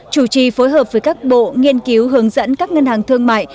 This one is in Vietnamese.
chủ trì phối hợp với các bộ nghiên cứu hướng dẫn các ngân hàng thương mại